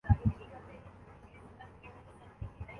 لیکن تیسرے دن ایک فیکٹری کے اندر پولیس نے